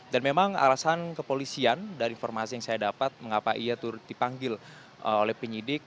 dan memang alasan kepolisian dari informasi yang saya dapat mengapa ia turut dipanggil oleh penyidik